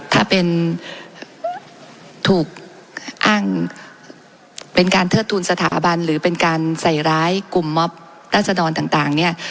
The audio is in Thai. ถ้าเป็นถูกอ้างเป็นการเทิดทูลสถาบันหรือเป็นการใส่ร้ายกลุ่มมอบราษดรต่างเนี่ย